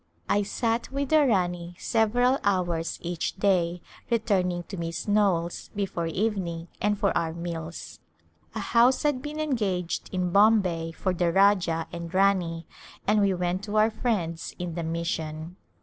I sat with the Rani several hours each day re turning to Miss Knowles before evening and for our meals. A house had been engaged in Bombay for the Rajah and Rani, and we went to our friends in the mission.